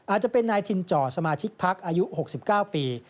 อาจจะเป็นนายทินจ่อสมาชิกพักอายุ๖๙ปี